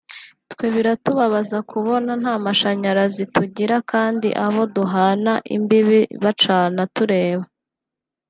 twe biratubabaza kubona ntamashanyarazi tugira kandi abo duhana imbibe bacana tureba